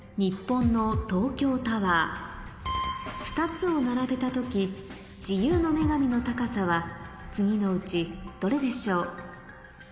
２つを並べた時自由の女神の高さは次のうちどれでしょう？